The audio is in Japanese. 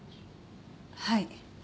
はい。